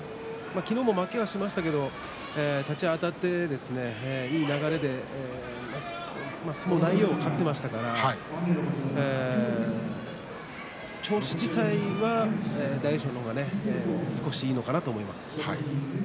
昨日も負けはしましたけれど立ち合いあたって、いい流れで相撲の内容は勝っていましたから調子自体は大栄翔の方が少しいいのかなと思います。